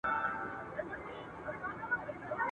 وګړي ډېر سول د نیکه دعا قبوله سوله !.